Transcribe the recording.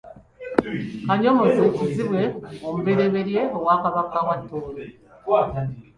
Kanyomozi kizibwe muberyeberye owa Kabaka wa Tooro.